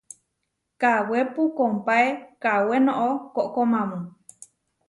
Kawépu kompáe kawé noʼó koʼkomamu.